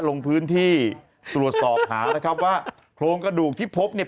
ลงพื้นที่ตรวจสอบหานะครับว่าโครงกระดูกที่พบเนี่ย